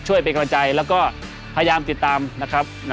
ช่วยเป็นกำลังใจแล้วก็พยายามติดตามนะครับ